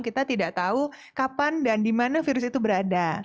kita tidak tahu kapan dan di mana virus itu berada